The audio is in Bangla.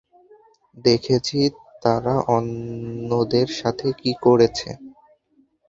দেখেছি তারা অন্যদের সাথে কী করেছে।